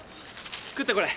食ってこれ。